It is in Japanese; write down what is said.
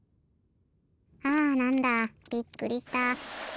あなんだびっくりした。